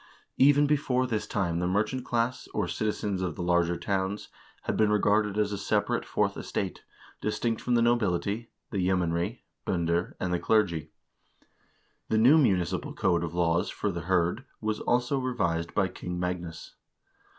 Even before this time the merchant class, or citizens of the larger towns, had been regarded as a separate fourth estate, distinct from the nobility, the yeomanry (binder), and the clergy.1 The new munici pal code of laws for the hird' was also revised by King Magnus.